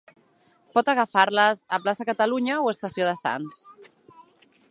Pot agafar-les a Plaça Catalunya o Estació de Sants.